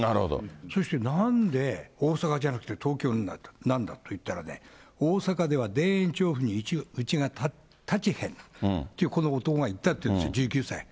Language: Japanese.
そしてなんで大阪じゃなくて東京なんだと言ったらね、大阪では田園調布にうちが建ちへんってこの男が言ったっていうんですよ、１９歳。